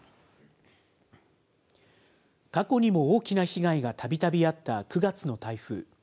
過去にも大きな被害がたびたびあった９月の台風。